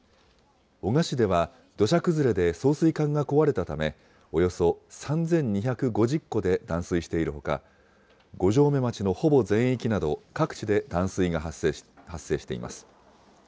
男鹿市では、土砂崩れで送水管が壊れたため、およそ３２５０戸で断水しているほか、五城目町のほぼ全域など各地で断水が発生しています。